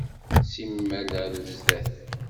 Simmal ar zdat.